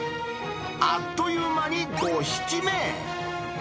あっという間に５匹目。